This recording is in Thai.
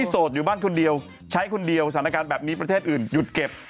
โสดอยู่บ้านคนเดียวใช้คนเดียวสถานการณ์แบบนี้ประเทศอื่นหยุดเก็บ